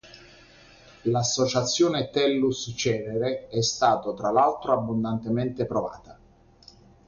L'associazione Tellus-Cerere è stato tra l'altro abbondantemente provata.